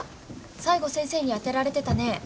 最後先生に当てられてたね。